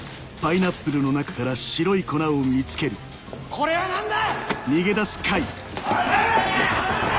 これは何だ！